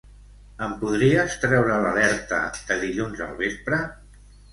Ens podries treure l'alerta de dilluns al vespre?